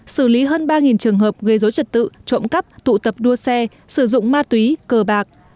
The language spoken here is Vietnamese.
xử lý hơn ba trường hợp gây dối trật tự trộm cắp tụ tập đua xe sử dụng ma túy cờ bạc